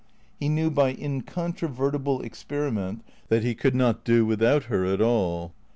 He knew by incontrovertible experiment that he could not do without her at all.